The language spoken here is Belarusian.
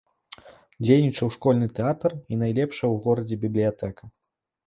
Дзейнічаў школьны тэатр і найлепшая ў горадзе бібліятэка.